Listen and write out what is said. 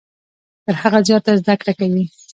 تر هغه زیاته زده کړه کوي .